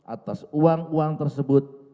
atas uang uang tersebut